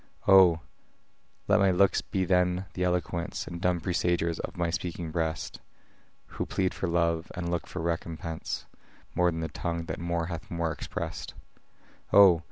O! let my looks be then the eloquence And dumb presagers of my speaking breast, Who plead for love, and look for recompense, More than that tongue that more hath more express'd. O!